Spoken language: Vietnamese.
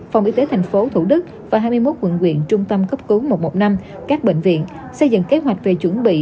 phòng y tế tp thủ đức và hai mươi một quận quyện trung tâm cấp cứu một trăm một mươi năm các bệnh viện xây dựng kế hoạch về chuẩn bị